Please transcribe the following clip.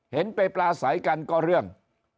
เห็นไปปลาใสกันก็เรื่อง